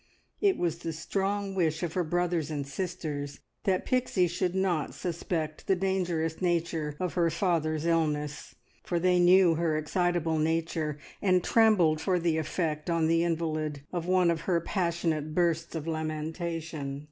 It was the strong wish of her brothers and sisters that Pixie should not suspect the dangerous nature of her father's illness, for they knew her excitable nature, and trembled for the effect on the invalid of one of her passionate bursts of lamentation.